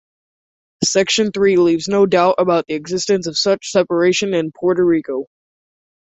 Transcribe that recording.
Section three leaves no doubt about the existence of such separation in Puerto Rico.